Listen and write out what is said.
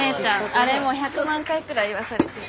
あれもう１００万回くらい言わされてる。